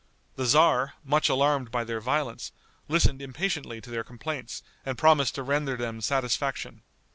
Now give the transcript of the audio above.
The tzar, much alarmed by their violence, listened impatiently to their complaints and promised to render them satisfaction.